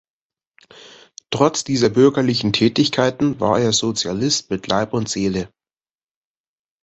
Trotz dieser bürgerlichen Tätigkeiten war er Sozialist mit Leib und Seele.